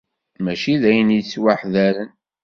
Mačči d ayen yettwahdaren.